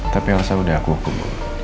tapi alasan udah aku hukum